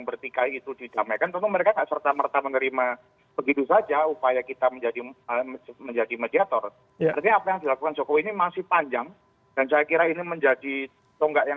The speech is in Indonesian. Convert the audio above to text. bagaimana presiden jokowi itu menjalankan amanatnya